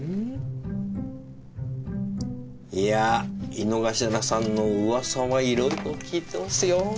いや井之頭さんのうわさはいろいろ聞いてますよ。